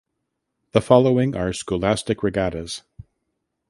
The following are scholastic regattas.